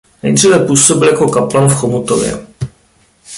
Nejdříve působil jako kaplan v Chomutově.